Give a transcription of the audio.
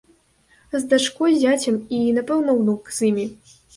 З дачкой, зяцем і, напэўна, унук з імі.